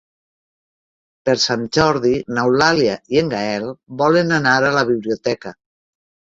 Per Sant Jordi n'Eulàlia i en Gaël volen anar a la biblioteca.